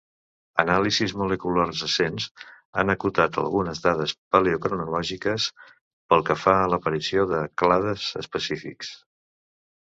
Anàlisis moleculars recents han acotat algunes dades paleocronològiques pel que fa a l'aparició de clades específics.